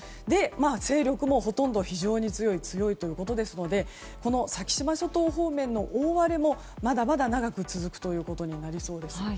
勢力もほとんど非常に強い、強いということですのでこの先島諸島方面の大荒れもまだまだ長く続くということになりそうです。